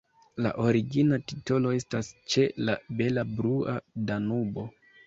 La origina titolo estas Ĉe la bela blua Danubo.